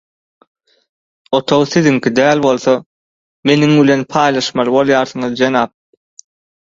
Otag siziňki däl bolsa meniň bilen paýlaşmaly bolýarsyňyz jenap